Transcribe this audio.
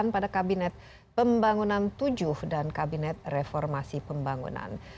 pada kabinet pembangunan tujuh dan kabinet reformasi pembangunan